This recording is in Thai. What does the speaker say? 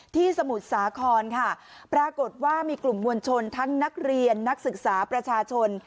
สมุทรสาครค่ะปรากฏว่ามีกลุ่มมวลชนทั้งนักเรียนนักศึกษาประชาชน